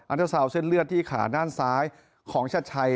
อันตเศรษฐ์เส้นเลือดที่ขานานซ้ายของชาดชัย